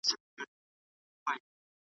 په دوستي یې د ټولواک رضاکومه `